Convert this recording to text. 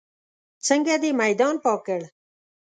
څنګه دې میدان پاک کړ.